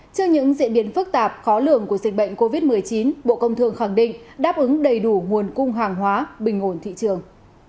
trước những diễn biến phức tạp khó lường của dịch bệnh covid một mươi chín bộ công thương khẳng định đáp ứng đầy đủ nguồn cung hàng hóa bình ổn thị trường